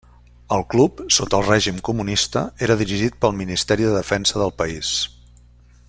El club, sota el règim comunista, era dirigit pel ministeri de defensa del país.